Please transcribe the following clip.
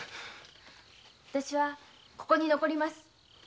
わたしはここに残ります。